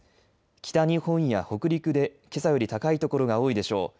北日本や北陸でけさより高い所が多いでしょう。